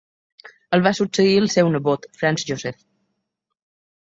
El va succeir el seu nebot, Franz Joseph.